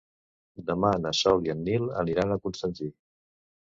Demà na Sol i en Nil aniran a Constantí.